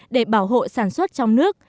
để bảo hộ sản xuất trong nước